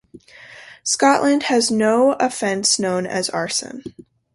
Scotland has no offence known as arson.